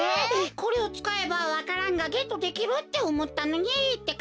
これをつかえばわか蘭がゲットできるっておもったのにってか！